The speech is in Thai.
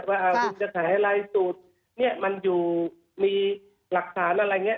ว่าคุณจะขายอะไรสูตรเนี่ยมันอยู่มีหลักฐานอะไรอย่างนี้